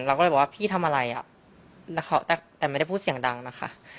เราก็เลยบอกว่าพี่ทำอะไรอ่ะแต่ไม่ได้พูดเสียงดังนะคะ